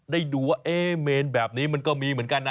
ได้ดูว่าเมนแบบนี้มันก็มีเหมือนกันนะ